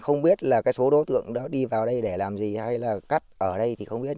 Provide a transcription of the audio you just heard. không biết là cái số đối tượng đó đi vào đây để làm gì hay là cắt ở đây thì không biết